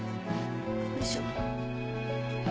よいしょ。